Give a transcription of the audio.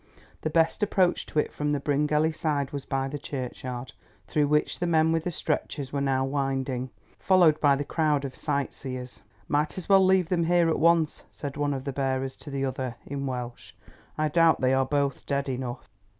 The best approach to it from the Bryngelly side was by the churchyard, through which the men with the stretchers were now winding, followed by the crowd of sightseers. "Might as well leave them here at once," said one of the bearers to the other in Welsh. "I doubt they are both dead enough."